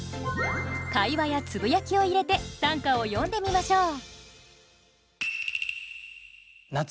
会話やつぶやきを入れて短歌を詠んでみましょう。